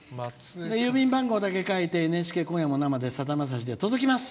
郵便番号だけ書いてＮＨＫ「今夜も生でさだまさし」で届きます。